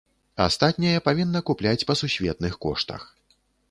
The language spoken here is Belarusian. Астатняе павінна купляць па сусветных коштах.